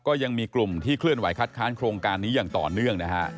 ก็ยังมีกลุ่มที่เคลื่อนไหคัดค้านโครงการนี้อย่างต่อเนื่องนะฮะ